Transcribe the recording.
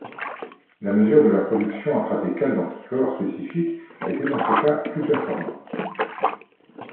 La mesure de la production intrathécale d'anticorps spécifiques était dans ce cas plus performante.